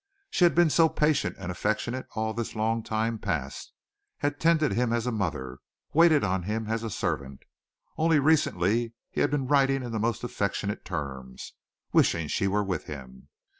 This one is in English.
She had been so patient and affectionate all this long time past, had tended him as a mother, waited on him as a servant. Only recently he had been writing in most affectionate terms, wishing she were with him.